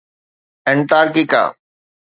Antarctica